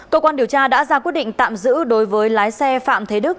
cơ quan điều tra đã ra quyết định tạm giữ đối với lái xe phạm thế đức